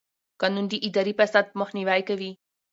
قانون د اداري فساد مخنیوی کوي.